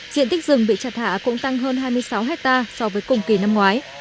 diện tích rừng bị chặt hạ cũng tăng hơn hai mươi sáu hectare so với cùng kỳ năm ngoái